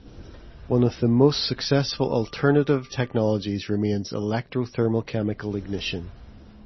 One of the most successful alternative technologies remains electrothermal-chemical ignition.